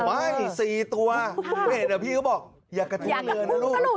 ไม่๔ตัวเดี๋ยวพี่ก็บอกอย่ากระทุ้งเรือนะลูก